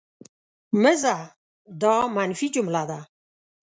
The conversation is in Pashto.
مه ځه! دا منفي جمله ده.